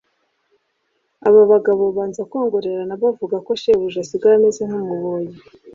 Aba bagabo babanza kongorerana bakavuga ko Sebuja asigaye ameze nk'umuboyi